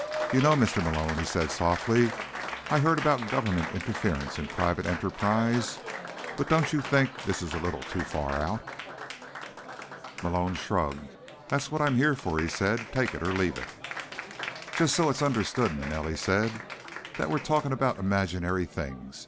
"You know, Mr. Malone," he said softly, "I heard about government interference in private enterprise, but don't you think this is a little too far out?" Malone shrugged. "That's what I'm here for," he said. "Take it or leave it." "Just so it's understood," Manelli said, "that we're talking about imaginary things.